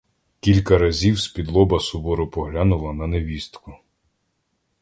Кілька разів спідлоба суворо поглянула на невістку.